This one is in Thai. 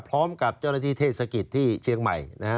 พร้อมกับเจ้าหน้าที่เทศภกิร์ตชี่เชียงใหม่